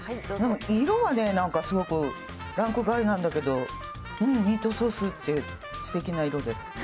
色はね、なんかすごくランク外なんだけど、うん、ミートソースってすてきな色ですね。